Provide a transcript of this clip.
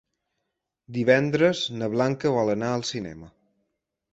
Divendres na Blanca vol anar al cinema.